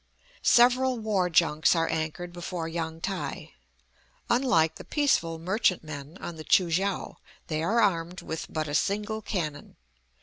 Several war junks are anchored before Yang tai; unlike the peaceful (?) merchantmen on the Choo kiang, they are armed with but a single cannon.